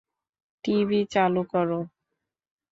TV চালু করো।